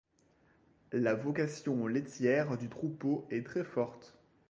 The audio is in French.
La vocation laitière du troupeau est très forte.